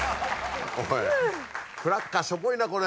おいクラッカーしょぼいなこれ。